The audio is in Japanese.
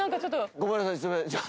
ごめんなさいすいません。